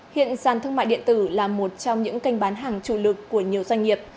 hiện sàn thương mại điện tử là một trong những kênh bán hàng chủ lực của nhiều doanh nghiệp